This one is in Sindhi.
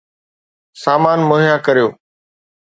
سامان مهيا ڪريو